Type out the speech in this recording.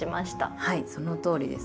はいそのとおりです。